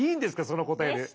その答えで。